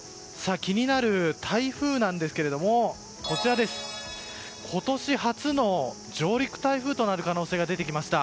気になる台風なんですが今年初の上陸台風となる可能性が出てきました。